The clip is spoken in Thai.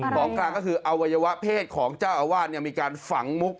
ของกลางก็คืออวัยวะเพศของเจ้าอาวาสมีการฝังมุก